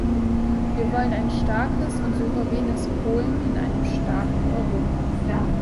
Wir wollen ein starkes und souveränes Polen in einem starken Europa.